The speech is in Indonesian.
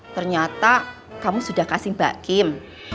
ternyata kamu sudah kasih mbak kim